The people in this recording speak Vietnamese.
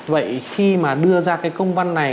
vậy khi mà đưa ra cái công văn này